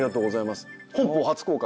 本邦初公開？